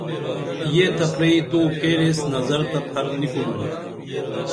یہ تہ پرئی توکیریس نظر تہ پھرنی کُنُم